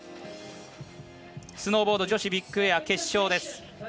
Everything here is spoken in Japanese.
スノーボード女子ビッグエア決勝です。